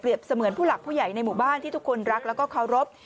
เสมือนผู้หลักผู้ใหญ่ในหมู่บ้านที่ทุกคนรักแล้วก็เคารพ